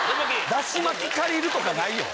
ダシ巻き借りるとかないよ。